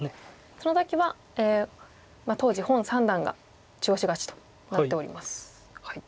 その時は当時洪三段が中押し勝ちとなっております。